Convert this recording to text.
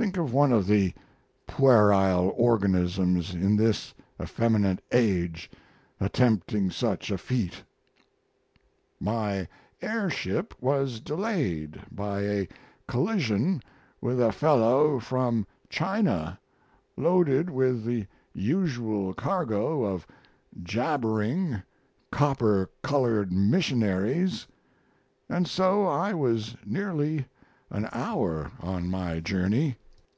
Think of one of the puerile organisms in this effeminate age attempting such a feat. My air ship was delayed by a collision with a fellow from China loaded with the usual cargo of jabbering, copper colored missionaries, and so I was nearly an hour on my journey.